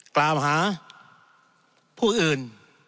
กล่าวหาผู้อื่น